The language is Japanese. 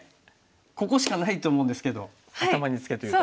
ここしかないと思うんですけど頭にツケというと。